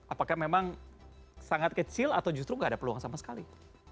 apakah memang sangat kecil atau justru nggak ada peluang sama sekali